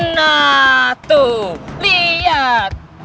nah itu lihat